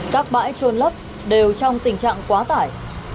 các bãi trôn lấp đều trong tình trạng quá tải